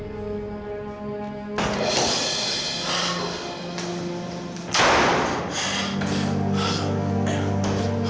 saya tak harus buat